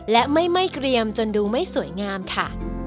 และไม่เกรียมจนดูไม่สวยงามค่ะ